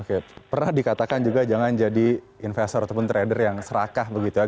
oke pernah dikatakan juga jangan jadi investor ataupun trader yang serakah begitu ya